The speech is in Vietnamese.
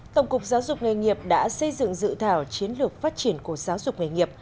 tổng cục giáo dục nghề nghiệp đã xây dựng dự thảo chiến lược phát triển của giáo dục nghề nghiệp